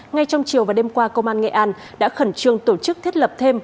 ngay trong chiều và đêm qua công an nghệ an đã khẩn trương tổ chức thiết lập thêm